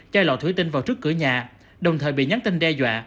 chai lọ thủy tinh vào trước cửa nhà đồng thời bị nhắn tin đe dọa